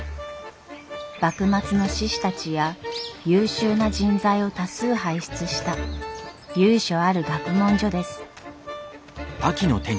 幕末の志士たちや優秀な人材を多数輩出した由緒ある学問所です。